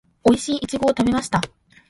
おいしいイチゴを食べました